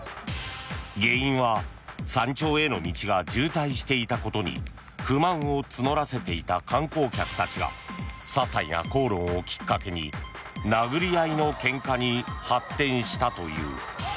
原因は山頂への道が渋滞していたことに不満を募らせていた観光客たちがささいな口論をきっかけに殴り合いのけんかに発展したという。